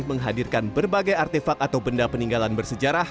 menghadirkan berbagai artefak atau benda peninggalan bersejarah